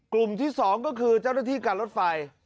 กลุ่มที่๒ก็คือเจ้าหน้าที่การรถไฟ